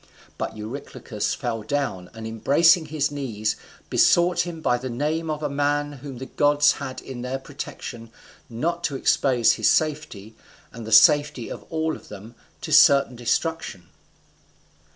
But Eurylochus fell down, and, embracing his knees, besought him by the name of a man whom the gods had in their protection, not to expose his safety, and the safety of them all, to certain destruction.